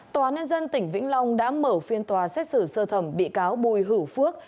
tòa nên dân tỉnh vĩnh long đã mở phiên tòa xét xử sơ thẩm bị cáo bùi hữu phước